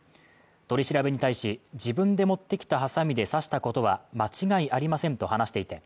取り調べに対し、自分で持ってきたはさみで刺したことは間違いありませんと話していて、